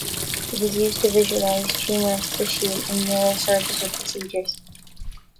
It is used to visualise tumorous tissue in neurosurgical procedures.